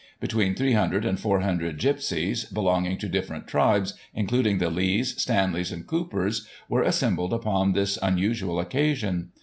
Between 300 and 400 gipsies, belonging to different tribes, including the Lees, Stanleys, and Coopers, were assembled upon this unusual occasion.